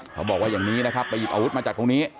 เขาบอกว่าอย่างนี้นะครับไปหยิบอาวุธมาจากตรงนี้